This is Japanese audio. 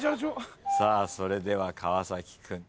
さあそれでは川君。